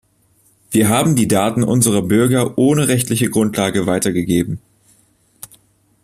Wir haben die Daten unserer Bürger ohne rechtliche Grundlage weitergegeben.